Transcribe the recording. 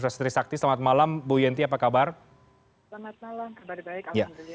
selamat malam kebaik baik alhamdulillah